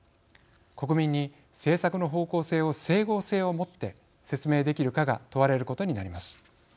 国民に政策の方向性を整合性をもって説明できるかが問われることになります。